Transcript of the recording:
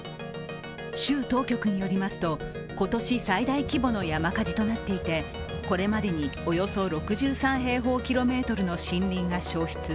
州当局によりますと今年最大規模の山火事となっていてこれまでにおよそ６３平方キロメートルの森林が焼失。